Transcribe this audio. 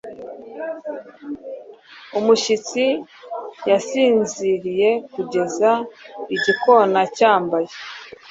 Umushyitsi yasinziriyekugeza igikona cyambaye